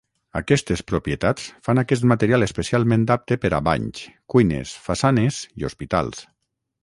Aquestes propietats fan aquest material especialment apte per a banys, cuines, façanes i hospitals.